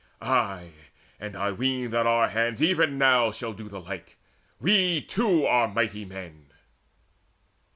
Ay, and I ween that our hands even now Shall do the like: we too are mighty men."